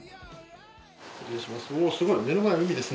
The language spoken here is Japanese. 失礼します。